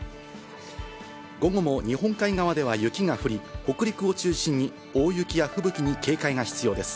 午後も日本海側では雪が降り、北陸を中心に大雪や吹雪に警戒が必要です。